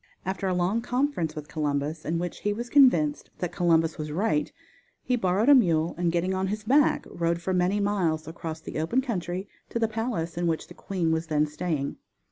After a long conference with Columbus, in which he was convinced that Columbus was right, he borrowed a mule and getting on his back rode for many miles across the open country to the palace in which the queen was then staying.